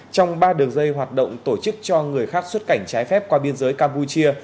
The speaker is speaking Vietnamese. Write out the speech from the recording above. trong ba đường dây hoạt động tổ chức cho người khác xuất cảnh trái phép qua biên giới campuchia